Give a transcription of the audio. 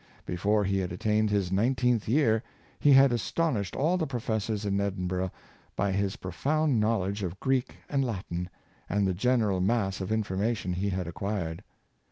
Before he had attained his nineteenth year he had as tonished all the professors in Edinbnrgh by his pro found knowledge of Greek and Latin, and the general mass of information he had acquired.